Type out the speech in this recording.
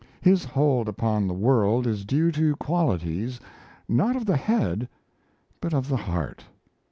His hold upon the world is due to qualities, not of the head, but of the heart.